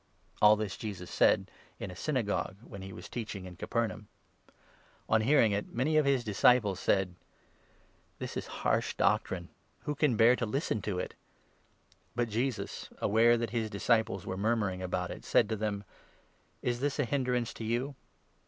All this Jesus said in a Synagogue, when he was teaching in Capernaum. On hearing it, many of his disciples said :" This is harsh doctrine ! Who can bear to listen to it ?" But Jesus, aware that his disciples were murmuring about it, said to them :" Is this a hindrance to you?